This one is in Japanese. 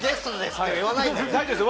大丈夫です。